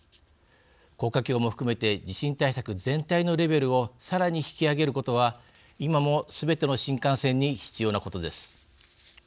高架橋も含めて地震対策全体のレベルをさらに引き上げることは今も、すべての新幹線に必要なことです。